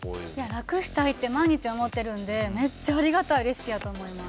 楽したいって毎日思ってるんでめっちゃありがたいレシピやと思います。